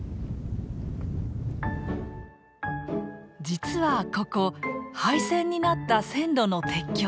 実はここ廃線になった線路の鉄橋。